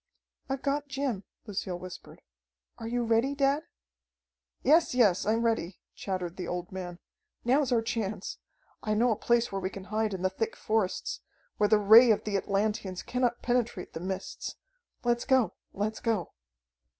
"I've got Jim," Lucille whispered. "Are you ready, dad?" "Yes, yes, I'm ready," chattered the old man. "Now's our chance. I know a place where we can hide in the thick forests, where the Ray of the Atlanteans cannot penetrate the mists. Let's go! Let's go!"